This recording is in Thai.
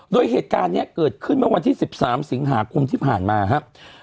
โดยเหตุการณ์นี้เกิดขึ้นเมื่อวันที่๑๓สิงหาคมที่ผ่านมาครับ